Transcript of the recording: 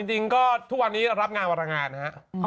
จริงก็ทุกวันนี้รับงานวันแรงงานนะครับ